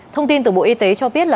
thông tin từ bộ y tế cho biết